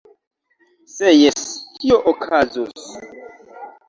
Se jes, kio okazus?!